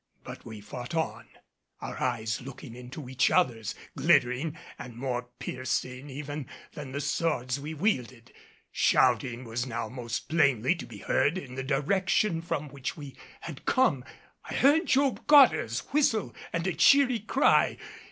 But we fought on, our eyes looking into each other's, glittering and more piercing even than the swords we wielded. Shouting was now most plainly to be heard in the direction from which we had come. I heard Job Goddard's whistle and a cheery cry.